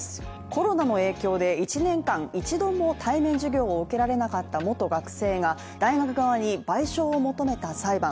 コロナの影響で１年間、一度も対面授業を受けられなかった元学生が大学側に賠償を求めた裁判。